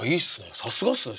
さすがっすね先生。